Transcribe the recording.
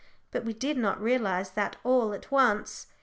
But we did not realise that all at once.